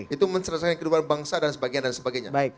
itu menceritakan kehidupan bangsa dan sebagainya